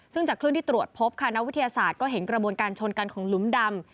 ซึ่งจากคลื่นที่ตรวจพบค่ะนักวิทยาศาสตร์ก็เห็นกระบวนการชนกันของหลุมดำ